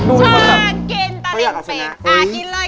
โอ๊ยเจ็บกว่า